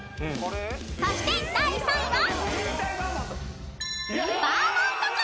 ［そして第３位は］